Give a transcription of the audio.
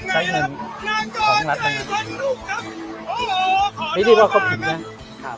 ใช้อยู่ของรัฐธรรมนี้ไม่ได้ว่าเขาถูกเนี่ยครับ